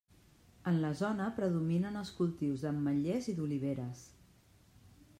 En la zona predominen els cultius d'ametllers i d'oliveres.